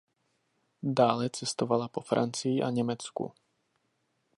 Dále cestovala po Francii a Německu.